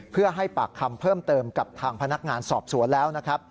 เพื่อให้ปากคำเพิ่มเติมกับทางพนักงานสอบสวนแล้วนะครับ